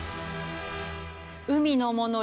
海のもの